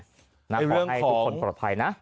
ขอให้ทุกคนปลอดภัยนะ